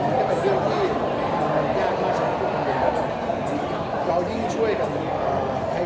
ซึ่งผมก็รู้ได้ทั้งอย่างว่าจะต้องทำใจ